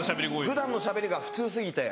普段のしゃべりが普通過ぎて。